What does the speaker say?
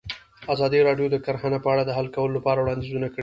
ازادي راډیو د کرهنه په اړه د حل کولو لپاره وړاندیزونه کړي.